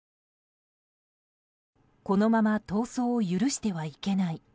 このまま逃走を許してはいけない。